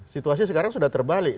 situasi sekarang sudah terbalik